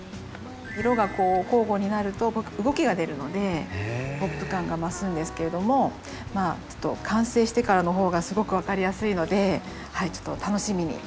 色が交互になると動きが出るのでポップ感が増すんですけれども完成してからの方がすごく分かりやすいので楽しみにしてて下さいね。